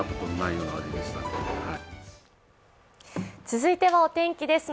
続いてはお天気です。